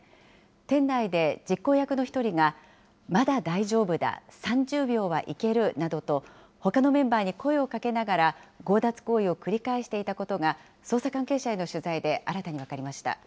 店内で実行役の１人が、まだ大丈夫だ、３０秒はいけるなどと、ほかのメンバーに声をかけながら、強奪行為を繰り返していたことが、捜査関係者への取材で新たに分かりました。